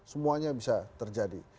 semuanya bisa terjadi